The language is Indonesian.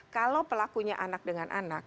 kalau pelakunya anak dengan anak